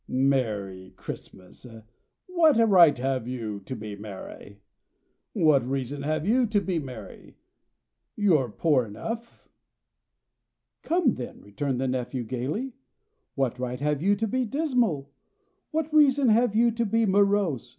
"Merry Christmas! What right have you to be merry? What reason have you to be merry? You're poor enough." "Come then," returned the nephew gaily. "What right have you to be dismal? What reason have you to be morose?